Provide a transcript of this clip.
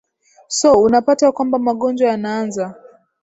so unapata kwamba magonjwa yanaanza